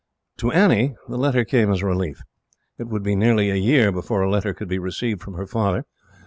To Annie, the letter came as a relief. It would be nearly a year before a letter could be received from her father.